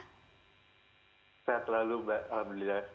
sehat lalu mbak alhamdulillah